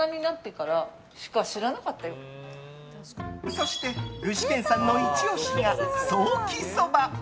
そして具志堅さんのイチ押しがソーキそば。